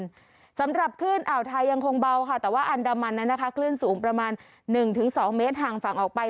ซึ่งซึ่งสำหรับคลื่นอ่าวไทยยังคงเบาค่ะแต่ว่าอันดามันนั้นขึ้นสูงประมาณ๑๒มห่างฝั่งออกไป